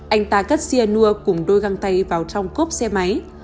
anh ta cất cyanur cùng đôi găng tay vào trong cốp xe máy